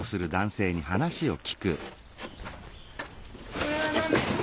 これは何ですか？